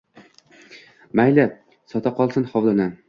Mayli, sota qolsin hovlini